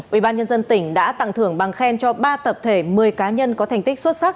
ủy ban nhân dân tỉnh đã tặng thưởng bằng khen cho ba tập thể một mươi cá nhân có thành tích xuất sắc